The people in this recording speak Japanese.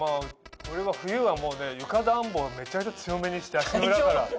俺は冬は床暖房めちゃめちゃ強めにして足の裏から。